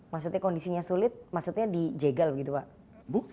maksudnya kondisinya sulit maksudnya dijegal gitu pak